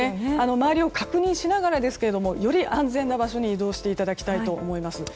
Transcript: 周りを確認しながらですがより安全な場所に移動していただきたいと思います。